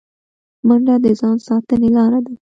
منډه د ځان ساتنې لاره ده